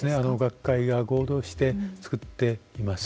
学会が合同して作っています。